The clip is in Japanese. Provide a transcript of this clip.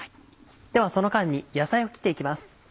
ではその間に野菜を切って行きます。